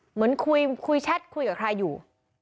เหมือนคุยแชทคุยกับใครอยู่